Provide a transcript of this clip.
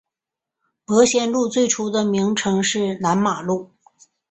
伯先路最初的名称是南马路。